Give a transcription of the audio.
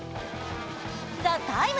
「ＴＨＥＴＩＭＥ，」